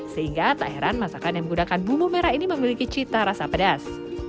sehingga tak heran masakan yang menggunakan bumbu merah ini memiliki cita rasa pedas